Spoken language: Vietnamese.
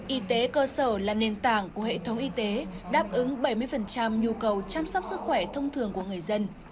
y tế cơ sở là nền tảng của hệ thống y tế đáp ứng bảy mươi nhu cầu chăm sóc sức khỏe thông thường của người dân